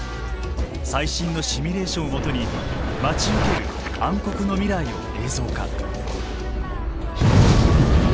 最新のシミュレーションを基に待ち受ける暗黒の未来を映像化。